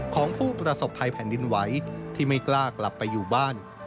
ของผู้ประสบภัยแผ่นดินไหวที่ไม่กล้ากลับไปอยู่บ้าน